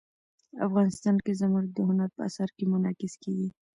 افغانستان کې زمرد د هنر په اثار کې منعکس کېږي.